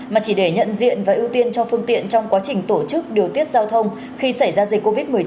mà chỉ để nhận diện và ưu tiên cho phương tiện trong quá trình tổ chức điều tiết giao thông khi xảy ra dịch covid một mươi chín